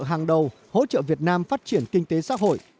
hàng đầu hỗ trợ việt nam phát triển kinh tế xã hội